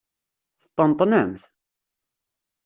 Teṭṭenṭnemt?